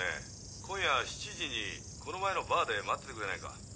今夜７時にこの前のバーで待っててくれないか。